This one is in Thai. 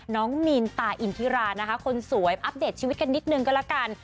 น้องมีนตาอินทิรานะคะคนสวยอัปเดตชีวิตกันนิดนึงก็แล้วกัน